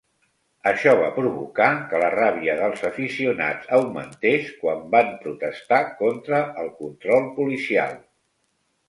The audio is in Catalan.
Això va provocar que la ràbia dels aficionats augmentés quan van protestar contra el control policial.